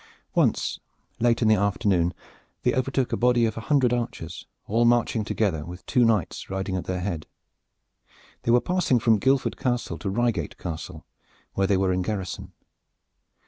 Once, late in the afternoon, they overtook a body of a hundred archers all marching together with two knights riding at their head. They were passing from Guildford Castle to Reigate Castle, where they were in garrison.